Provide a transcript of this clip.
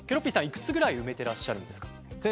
いくつぐらい埋めてらっしゃるんですか？